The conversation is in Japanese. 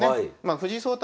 藤井聡太